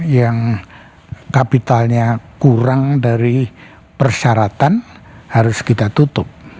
yang kapitalnya kurang dari persyaratan harus kita tutup nah waktu itu ya